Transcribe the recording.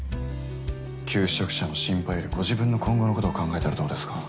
求職者の心配よりご自分の今後のことを考えたらどうですか？